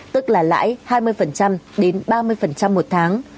tức là lãi hai mươi đến ba mươi một tháng